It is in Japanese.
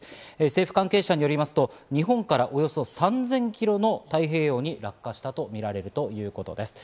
政府関係者によりますと日本からおよそ３０００キロの太平洋に落下したとみられるということです。